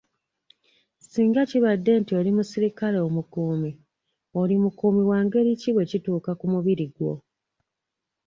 Singa kibadde nti oli muserikale omukuumi, oli mukuumi wa ngeri ki bwe kituuka ku mubiri gwo?